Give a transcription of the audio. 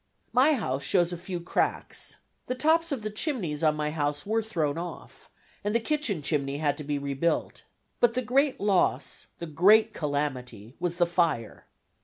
My house shows a few cracks. The tops of the chimneys on my house were thrown off, and the kitchen chimney had to be rebuilt. But the great loss, the great calamity, was the fire.